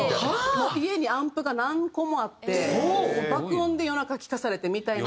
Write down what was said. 家にアンプが何個もあって爆音で夜中聴かされてみたいな。